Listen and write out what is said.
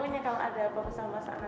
benar saya kalau makan kala ada